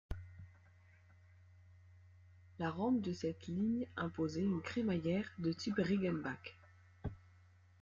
La rampe de cette ligne imposait une crémaillère, de type Riggenbach.